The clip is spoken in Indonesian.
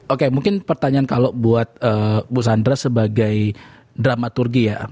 oke mungkin pertanyaan kalau buat bu sandra sebagai dramaturgi ya